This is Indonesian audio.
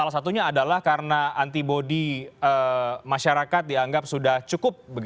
salah satunya adalah karena antibody masyarakat dianggap sudah cukup